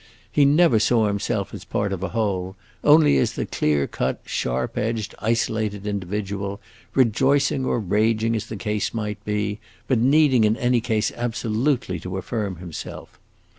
He never saw himself as part of a whole; only as the clear cut, sharp edged, isolated individual, rejoicing or raging, as the case might be, but needing in any case absolutely to affirm himself.